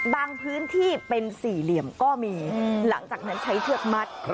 พื้นที่เป็นสี่เหลี่ยมก็มีหลังจากนั้นใช้เชือกมัด